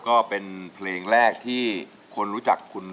ก็เป็นเพลงแรกที่คนรู้จักคุณ